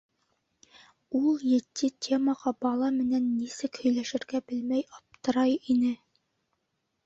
Ул етди темаға бала менән нисек һөйләшергә белмәй аптырай ине.